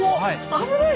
危ない！